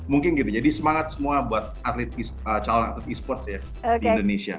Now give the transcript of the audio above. mungkin gitu jadi semangat semua buat calon atlet esports ya di indonesia